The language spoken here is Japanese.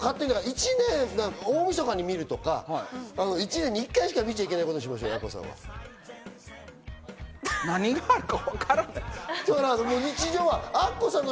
大みそかに見るとか、１年に１回しか見ちゃいけないことにしましょうよ、アッコさんは。